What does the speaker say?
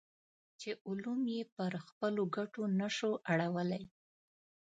چې علوم پر خپلو ګټو نه شو اړولی.